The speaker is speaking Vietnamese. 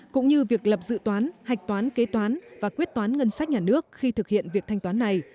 cũng như việc lập dự toán hạch toán kế toán và quyết toán ngân sách nhà nước khi thực hiện việc thanh toán này